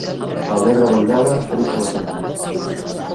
Alegre vetllada, trista matinada.